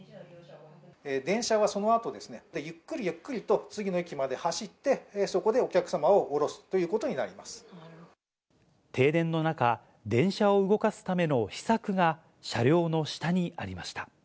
電車はそのあと、ゆっくりゆっくりと、次の駅まで走って、そこでお客様を降ろすということ停電の中、電車を動かすための秘策が、車両の下にありました。